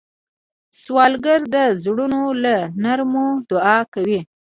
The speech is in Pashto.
سوالګر د زړونو له نرمو دعا کوي